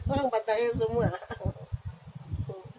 orang batarin semua